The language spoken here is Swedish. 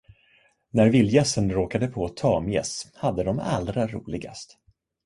När vildgässen råkade på tamgäss, hade de allra roligast.